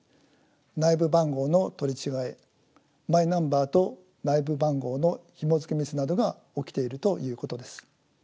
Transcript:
内部番号の取り違えマイナンバーと内部番号のひもづけミスなどが起きているということです。